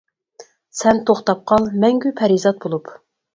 سەن توختاپ قال مەڭگۈ پەرىزات بولۇپ!